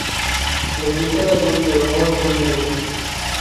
Le gusta la luz pero no el sol directo.